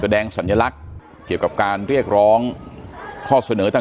แสดงสัญลักษณ์เกี่ยวกับการเรียกร้องข้อเสนอต่าง